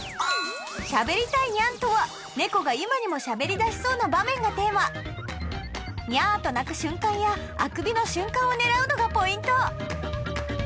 「しゃべりたいニャン」とは猫が今にもしゃべりだしそうな場面がテーマニャーと鳴く瞬間やあくびの瞬間を狙うのがポイント